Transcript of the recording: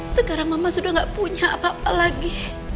sekarang mama sudah tidak punya apa apa lagi